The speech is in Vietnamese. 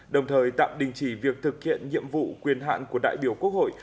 đồng thời tạm đình chỉ việc thực hiện nhiệm vụ quyền hạn của đại biểu quốc hội